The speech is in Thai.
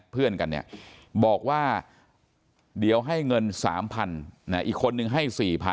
เพื่อนกันเนี่ยบอกว่าเดี๋ยวให้เงิน๓๐๐อีกคนนึงให้๔๐๐๐